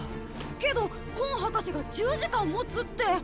けどコン博士が１０時間もつって！